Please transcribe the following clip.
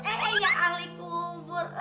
eh ya alaikumur